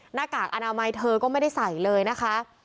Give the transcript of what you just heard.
หน้ากากอนามัยเธอก็ไม่ได้ใส่เลยนะคะ